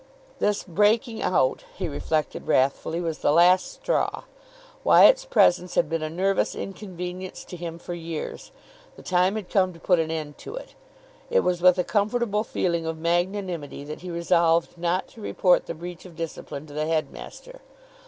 This breaking out, he reflected wrathfully, was the last straw. Wyatt's presence had been a nervous inconvenience to him for years. The time had come to put an end to it. It was with a comfortable feeling of magnanimity that he resolved not to report the breach of discipline to the headmaster.